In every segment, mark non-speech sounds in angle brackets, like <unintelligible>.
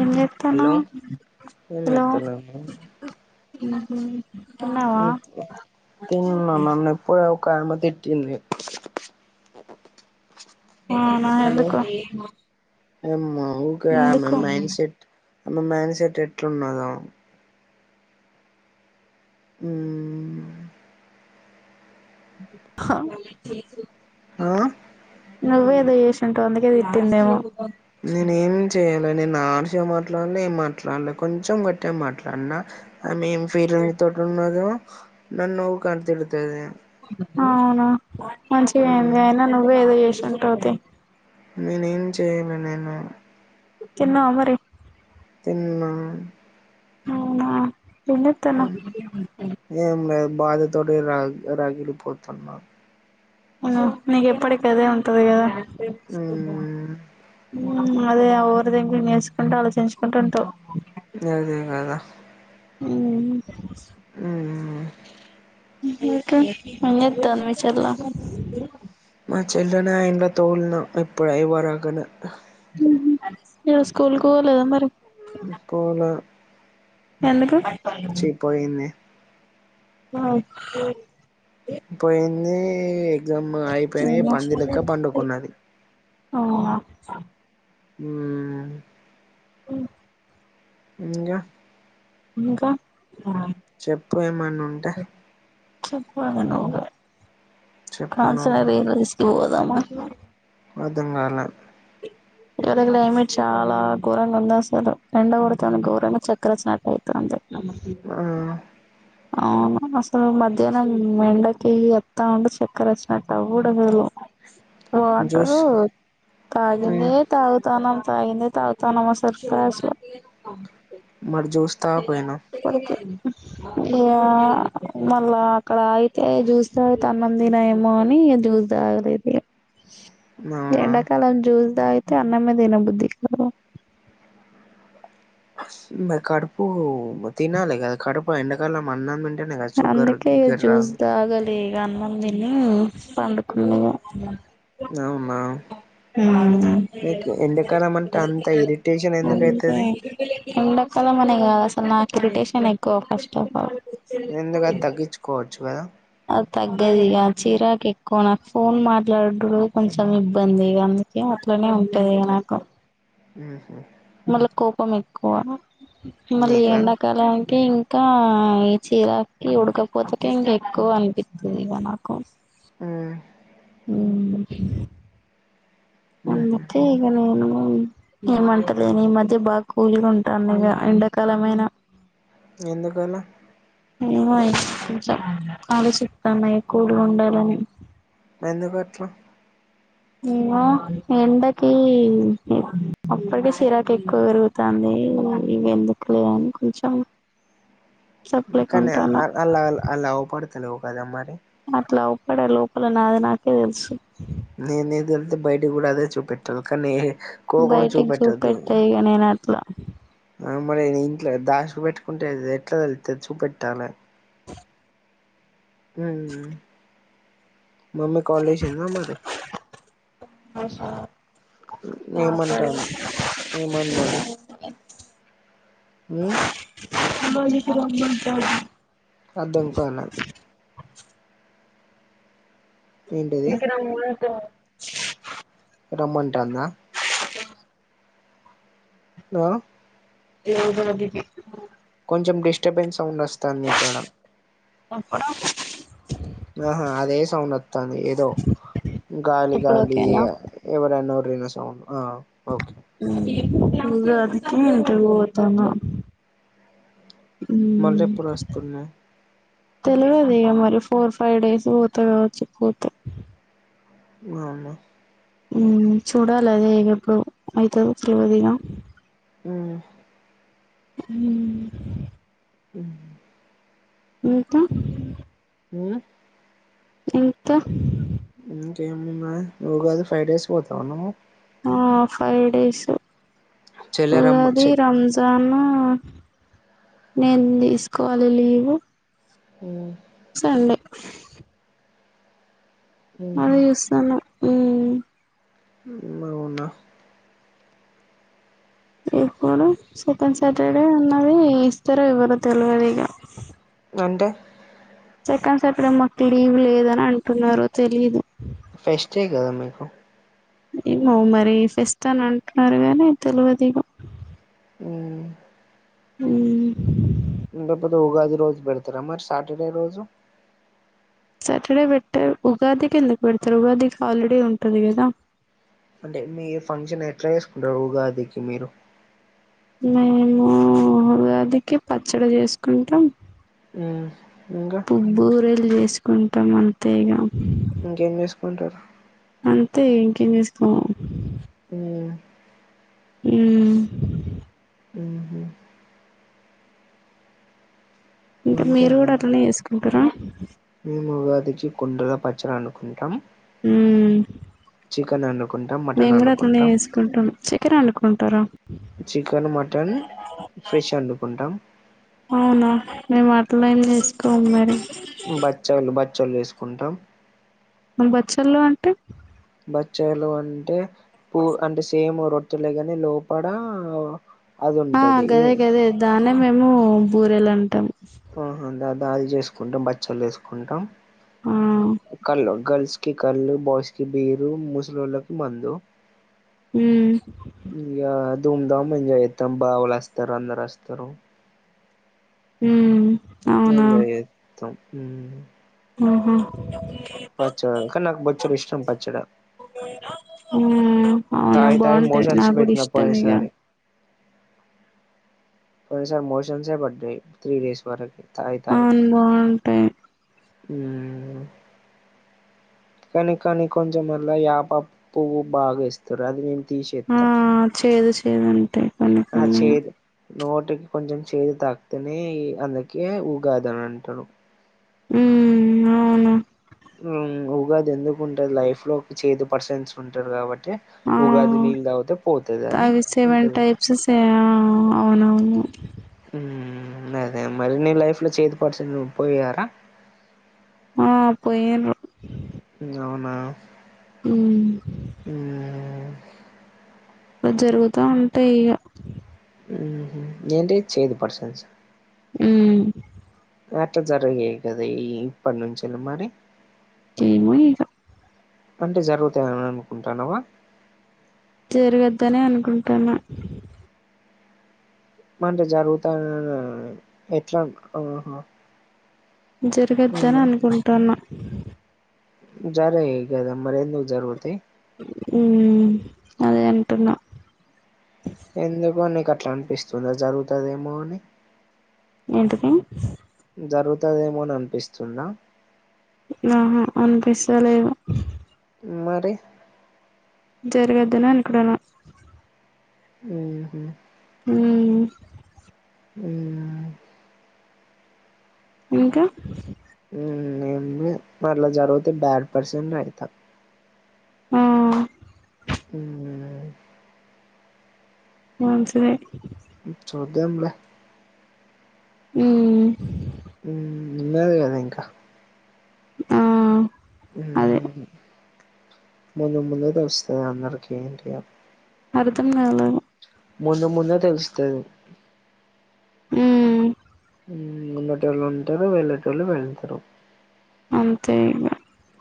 ఏం హలో చేత్తన్నావ్ ఏం హలో చేస్తున్నావు ఊహు తిన్నాన్ <inaudible> ప్పుడే ఒకామ తిట్టింది ఔనా ఎందుకో ఎమ్మా ఊకె ఆమె మైండ్ సెట్ అమ్మె మైండ్ సెట్ ఎట్లున్నదో ఊ ఆ నువ్వే ఏదో చేసింటావ్ అందుకేదది తిట్టిందేమో నేను ఏం చేయ అ నేను హర్ష గా మాట్లాడలే ఏం మాట్లాడలే కొంచెం గట్టటి మాట్లాడినా ఆ మేం ఫీలింగ్ తోటి ఉన్నదో నన్న నవ్వు <inaudible> అవునా మంచిగా అయింది అయినా నువ్వ ఏదో చేసి చెంటవుతే నేనే ఏం చేయలే నేను తిన్నావా మరి తిన్నా అవునా ఏం చేతనవ్ బాధ తోటి రాగి రాగిలుపోతున్నా నీకు ఎప్పటికి అదే ఉంటది కదా మ్మ్ అదే ఊరు దగం నేర్చుకుంటూ ఆలోచించుకుంటు ఉంటవు అదే కదా ఉమ్ ఆ ఏం చేస్తాతందీ మీ చెల్ల మా చెల్లనే అయంట తోలిన్నా ఎప్పుడుయి వరగను నను స్కూల్కి పోలేదా మరి ఎందుకు చ్చి పోయింది ఆ పోయి యింది జమ్ అయిపోయినా పంది లేక పండుకున్నది ఓ ఉమ్ ఉ ఇంకా ఇంకా చెప్పు ఏమన్నా ఉంటా చెప్పాలి నువ్వే చెప్పు కన్ నువ్వే సన్నా <inaudible> ఓదమా <inaudible> అర్థం కాల ఎవర క్లైమేట్ చాలా ఘోరంగా ఉంది అసలు ఎండ కొడతేని ఘోరంగా చక్క్రచ్చినటు అవుతు అంది నమ ఆ అవును అసలు మధ్యాహ్నం ఎండకి ఎత్తా ఉంటే చక్కెర వచ్చినట్టు అవ్వుడు అసలు జ్యూస్ వాటరు తాగింద తాగుతానుం తగిండే తగుతనం క్లాస్ లో మరి జ్యూస్ తగక పోయిన ఇ మళ్ళా అక్కడ అయితే చూస త అన్నం తినేమో అని చూస్ తాగతే అవునా ఎండాకాలం చూస్ ఇ అయితే అన్న మీదేనా బుద్ధి కడుపు తినాలి క కడుపు ఎండకాలం అన్న అందుకే ఈ జ్యూస్ ద ఆగలి ఈ అన్న పడుకున్నా అవునా నీకు ఎండాకాలం అంటే అంత ఇరిటేషన్ ఎందుకు అయితది ఎండకాల మనేన్నా ఇరిటేషన్ ఎక్కువ ఫస్ట్ ఆఫ్ ఆల్ ఎందుక తగ్గించుకోవచ్చు కదా తగ్గదు ఇక చీరాకు ఎక్కువ నాకు ఫోన్ మాట్లాడడు కొంచెం ఇబ్బందిక అందుకే అట్లనే ఉంటది ఇక నాకు ఉ మళ కోపం ఎక్కువ మళ నీకా ఎండాకాల అ ఇంకా ఈ చీరాకి ఉడకపోతేక ఇంకా ఎక్కువ అనిపిస్తుంది ఇవ నాకు ఆ వు ఉహు క నేను ఏమంటలే న ఈ మధ్య బాగా కూలీగా ఉంటాను ఇక ఎండాకాలమైన ఎందుకాల యి ఆలో చితాన్నాయి కూూడుండాల మ ఎందు పట్ం ఎండకి అప్పటికి సిరాకు ఎక్కువ పెరుగుతుంది ఇ ఎందుకులే కాని కొంచెం సప్పుడేక కానే ఉంటాన్న అలా అల్లా పడతు <inaudible> లోపడే లోపల నాది నాకే తెలుసు నేనేది వెళ్తే బయట కూడా అదే చూపెట్టాలి కానీ కోపం బయటికి చూప చూపెట్టొద్దు పెట్ట ఈగ నేనట్ల ఆ మరి ఇంట్లో దాచి పెట్టుకుంటే ఎట్లా తెలుస్తది చూపెట్టాలి హుహు మమ్మీ కాల్ చేసిందా మరి ఏమంటాంది ఏమన్నది హు <unintelligible> అర్థం కాలా ఏంటిది <unintelligible> <inaudible> రమ్మంటా <unintelligible> ఆ <inaudible> కొంచెం డిస్టర్బెన్స్ సౌండ్ వస్తుంది మీకడ అప్పుడు అప్పు ఆహా అదే సౌండ్ వత్తాంది ఏదో ఇప్పుడు గాలిగాలి ఎవరనో <inaudible> ఇ ఉగాదికి ఇంటికి పోతాండా మళ్ళ ఎప్పుడు వస్తున్నావు తెలియదు ఇగా మరి ఫోర్ ఫైవ్ డేస్ పోతా కావచ్చు పోతే మా అమ్మ చూడాలి అదే ఎప్పుడు అవుతుంది తెలవదిగా హా హు ఉ ఎంత ఉ ఎంత ఏమున్నది ఉగాది ఫైవ్ డేస్ పోతున్నావా హ ఫైవ్ డేసు చెల్లె రమ్మ అల్లాది చె రంజాన్ నేను తీసుకోవాలి లీవు ఉ సండే ఉహు మరి చూస్తున్న హు అవున్నా ఏక్కనా సెకాండ్ సాటర్డే అ సెకను అది ఇస్తార ఇవరు తెలియదు ఇక అంద సక్కండ సాటర్డే మాకు లీవ్ లేదని అంటున్నారో తెలీదు ఫెస్టే కదా మీకు ఏమో మరి ఫెస్ట అని అంటున్నారు నీ తెలివదిగ అ ఉ ఇ పతే ఉగాది రోజు పెడతార అ మరి సటర్డే రోజు సాటర్డే పెట్టే ఉగాదికి ఎందుకు పెడతారు ఉగాదికి హాలిడే ఉంటుంది కదా అంటే మీ ఫంక్షన్ ఎట్లా చేసుకుంటారు ఉగాదికి మీరు మేము ఉగాదికి పచ్చడి చేసుకుంటాం ఆ పుబ్్బు రెల్వేస్ తీసుకుంటాం అంతే ఇక ఇంకేం చేసుకుంటారు అంతే ఇంకేం చేసుకోము ఉమ్ ఉమ్ ఉహు ఇంకా మీరు అంతేనా కూడా అట్లానే చేసుకో క్కర మేం ఉగాదికి కుండర పచ్చడ అండుకుంటాం ఉమ్ చికనండు మేము కూడా అట్లానే ఎసుకుంటాం చక్కెర అడుకుంటారా చికెన్ మటన్ ఫిష్ వండుకుంటాం అవునా మేము అట్లం వేసుకోమరి బచ్చాళు బ చ్చలు చేసుకుంటాం మన బచ్చల్లో అంటే బచ్చలు అంటే పూ అంటే సేమ్ రొట్ ట్టె లేగని లోపడ ఆ గదే గదే దాన్నే మేము బూరేలంటాం దలి చేసుకుంటాం బచ్చలు చే సుకుంటాం ఆ కల్లో గర్ల్స్ కి కళ్ళు బాస్కి బీరు ముసలోళ్ళకి మందు ఉమ్ ధూమధామ్ ఇంజేయ్ చెత్తం బావలస్తర్ అంధరస్తారు ఉమ్ అవునా తం ఉమ్ ఆ హ పచ్చడ కని నాకు బొచ్చడు ఇష్టం పచ్చడ అవునా ఉ అవునా తాగి తాగి బాగుంటాయి నా మోషన్స్ కూడా పెట్టిన ఇష్టం ఇగ పోయినసారి పోయిన సార్ మోషన్స్ పడ్డయి త్రీ డేస్ వరకి తాగి తాగి అవును బావుంటాయి ఉమ్ కానీ కానీ కొంచమళ్ళ యాప పువ్వు బాగా ఎస్తరు అది ఆ తీసేత్తా చేేదు చే లేదంటే సన్న ఆ సన్నగా చేదు నోటికి కొంచెం చేదు తాకితేనే అందుకే ఊగాదన అంటాను ఉ అవును ఉఊగాది ఎందుకుంటది లైఫ్ లో ఒక చేదు పర్సన్స్ ఉంటారు కాబట్టి ఆ ఉగాది నీళ్ళ తావుతే పోతుది అని అవి సెవెన్ ఉంటది టైప్స్ సే ఆ అవునవును అదే మరి న లైఫ్ లో చేదు పర్సన్ పోయిారా పోయిను అవునా ఉ అలా జరుగుతా ఉంటాయి ఇక ఏంటి చేదు పర్సన్స్ సార్ అ ఏట్ట జరగ కదా ఇప్ప నుంచిల మరి ఏమోంక్ అంటే జరుగుతాని అనుకుంటానువా జరగద్దని అనుకుంటాను మంటే జరుగుతా ఎట్లా ఆహ జరగద్దని అనుకుంటును ఇ జర ఏ క అరి అందుకు జరుగుయాయ్ ఉ అదే అనుంటన్నా ఎందుకు నీకు అట్లా అనిపిస్తుంది జరుగుతుదేమో అని ఏంటికి జరుగుతుదేమోని అనిపిస్తున్నా ఆహా అనిపిస్తడలేదు మరి జరగదుని అను కూడాడ ఆ హ ఆ ఇంకా ఏ మరళ జరుగుతే బ్యాడ్ పర్సన్ అయితా ఆ అ మంచిదే చూదాంలే ఉ నిన్నది నీకా ఆ అదే మూందు మూంద తెలుస్తది అందరికి ఆంటీఆని అర్ధం నల ముందు ముందు తెలుస్తారు హ ఉన్నట వాళ్ళు ఉంటారు వెళ్ళేట వాళ్ళు వెళ్తారు అ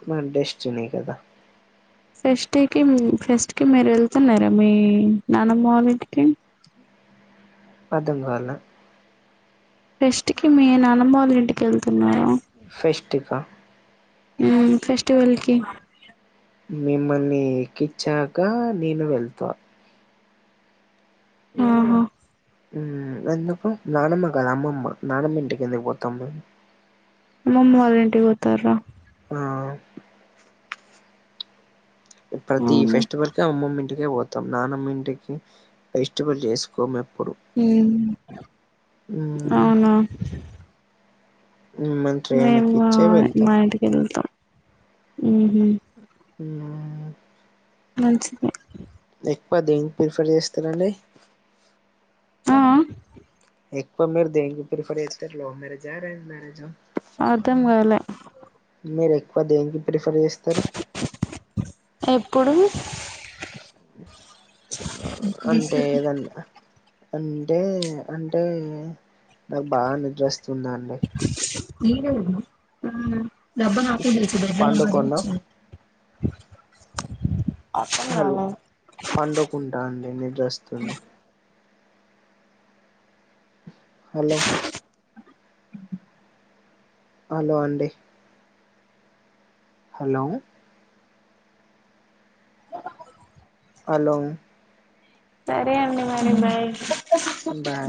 మన దిష్టినీ కదా ఫస్ట్కి ఫస్ట్ కి మీరు వెళ్తున్నారా మీ నాన్నమలుంటికి అథం కాల ఫెస్ట్ కి మీ నాన్నబాళ ఇంటికి వెళ్తు ఉన్నా అఫటికా ఫెస్టివల్కి మిమ్మల్ని ఎక్కించాక నేను వెళ్తా ఆహా అప్పు నానమ్మ కాదదు అమ్మమ్మా నానమ్మంటికి ఎందుకు పోతా మ మమ్మ్ ఆరు గంటకి గతార ఆ! ప్రతి అవును ఫెస్టివల్ కి అమ్మమ్ ఇకే పోతాం నాన ఇంటికి ఫెస్టివల్ చేసుకో హ్మ్. అవునా ట్రైన్ మేము ఎక్కిచ్చే వెళ్తాం. మా ఇంటికి వెళతాం ఆహ ఆ మంచి ఎ పద ప్రిఫర్ చేస్తారడి ఆ ఎకు మీరు దేంగ పఫరతే లో మరజ్రార మజ అర్థం కాల మీరు ఎక్కువ దేనికి ప్రిఫర్ చేస్తారు ఏప్పుడు అంటే ఏదన్నా అంటే అంటే నాకు బాగా నిద్ర వస్తుంది సున్నా అయితే మీర డబ్బా నాఫ లేసి పండుకున్నా డబ్బచ్చ మళ్ళ పడుకుంటా అండి నిద్రస్తుంది హలో హలో అండి హలో పలం సరే అండి మరి బాయ బా